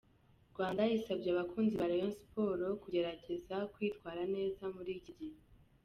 Rwanda isabye abakunzi ba Rayon Sports kugerageza kwitwara neza muri iki gihe,.